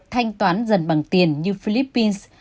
thanh toán dần bằng tiền như philippines